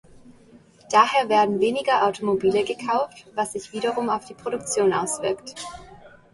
Daher werden weniger Automobile gekauft, was sich wiederum auf die Produktion auswirkt.